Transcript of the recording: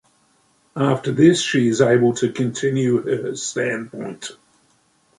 After this, she is able to continue her standpoint.